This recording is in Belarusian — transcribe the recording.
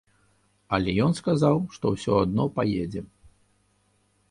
Але ён сказаў, што ўсё адно паедзе.